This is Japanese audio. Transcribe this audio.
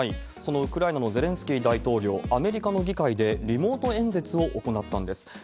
そのウクライナのゼレンスキー大統領、アメリカの議会でリモート演説を行ったんです。